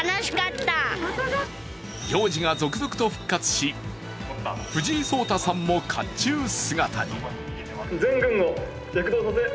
行事が続々と復活し、藤井聡太さんも甲冑姿に。